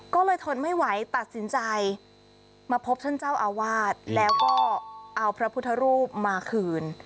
ก็เลยทนไม่ไหวตัดสินใจมาพบท่านเจ้าอาวาสแล้วก็เอาพระพุทธรูปมาคืน